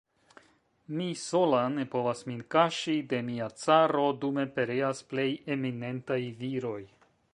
Mi sola ne povas min kaŝi de mia caro, dume pereas plej eminentaj viroj.